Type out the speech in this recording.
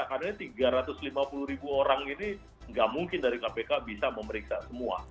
karena tiga ratus lima puluh ribu orang ini tidak mungkin dari kpk bisa memeriksa semua